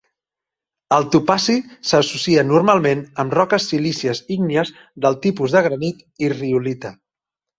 El topazi s'associa normalment amb roques silícies ígnies del tipus de granit i riolita.